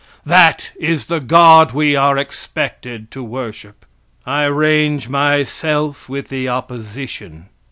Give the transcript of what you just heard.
That is the God we are expected to worship. I range myself with the opposition.